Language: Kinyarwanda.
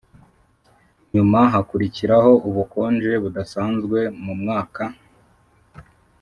nyuma hakurikiraho ubukonje budasanzwe mu mwaka